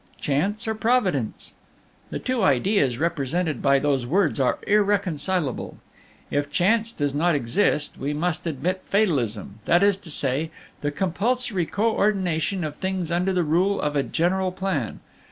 Chance or Providence? "The two ideas represented by those words are irreconcilable. If Chance does not exist, we must admit fatalism, that is to say, the compulsory co ordination of things under the rule of a general plan.